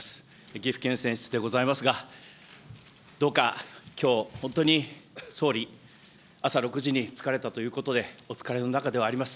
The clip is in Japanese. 岐阜県選出でございますが、どうか、きょう、本当に総理、朝６時に着かれたということで、お疲れの中ではあります。